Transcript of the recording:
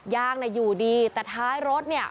ยากอยู่ดีแต่ท้ายรถ